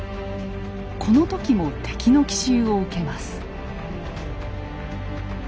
この時も敵の奇襲を受けます。